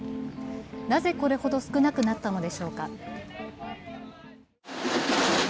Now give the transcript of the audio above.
なぜ、これほど少なくなったのでしょうか。